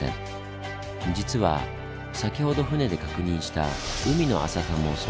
実は先ほど船で確認した海の浅さもその一つなんです。